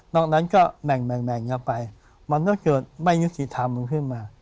นอกนั้นก็แบ่งไปมันถ้าเกิดไม่ยุติธรรมขึ้นมา